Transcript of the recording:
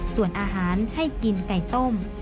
ส่วนอาหารให้กินไก่ต้ม